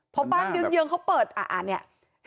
พอบ้านเยื้องเขาเปิดอ่านเนี่ย